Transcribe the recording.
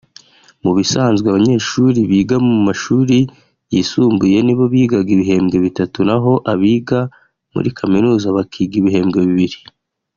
Mu bisanzwe abanyeshuri biga mu mashuri yisumbuye nibo bigaga ibihembwe bitatu naho abiga muri Kaminuza bakiga ibihembwe bibiri